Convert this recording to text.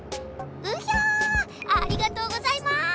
うひゃありがとうございます！